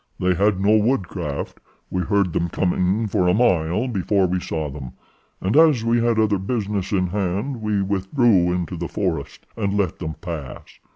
They had no woodcraft. We heard them coming for a mile before we saw them, and as we had other business in hand we withdrew into the forest and let them pass.